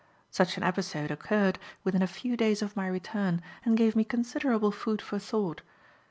Such an episode occurred within a few days of my return, and gave me considerable food for thought.